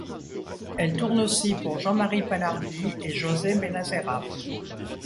Elle tourne aussi pour Jean-Marie Pallardy et José Bénazéraf.